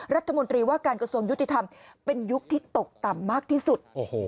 รัฐมนตรีว่าการกระทรวงยุติธรรมเป็นยุคที่ตกต่ำมากที่สุด